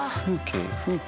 風景？